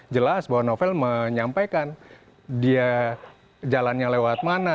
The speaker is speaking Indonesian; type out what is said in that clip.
jelas bahwa novel menyampaikan dia jalannya lewat mana